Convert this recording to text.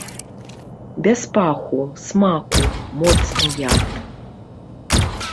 Без паху, смаку, моцны яд.